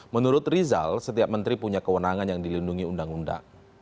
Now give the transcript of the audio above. menurut rizal setiap menteri punya kewenangan yang dilindungi undang undang